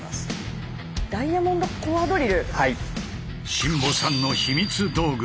新保さんの秘密道具